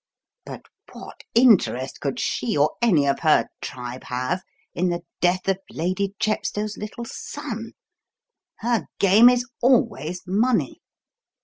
But what interest could she or any of her tribe have in the death of Lady Chepstow's little son? Her game is always money.